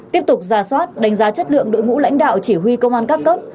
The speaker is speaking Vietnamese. tiếp tục ra soát đánh giá chất lượng đội ngũ lãnh đạo chỉ huy công an các cấp